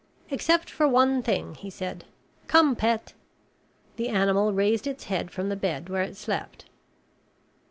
"Except for one thing," he said. "Come, Pet." The animal raised its head from the bed where it slept.